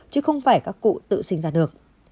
chứ không phải các cụ tự sinh ra được